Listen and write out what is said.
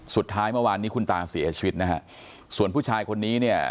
สุดท้ายเมื่อวานนี้คุณตาเสียชีวิตนะฮะส่วนผู้ชายคนนี้เนี่ย